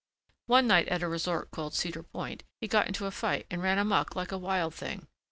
One night at a resort called Cedar Point, he got into a fight and ran amuck like a wild thing.